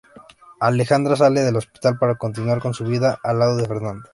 Alejandra sale del hospital para continuar con su vida al lado de Fernando.